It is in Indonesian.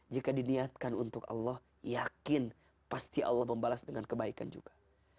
jika diniatkan untuk allah yakin pasti allah membalas dengan kebaikan juga